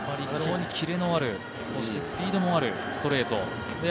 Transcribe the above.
非常に切れのある、そしてスピードもあるストレート。